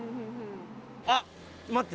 あっ待って！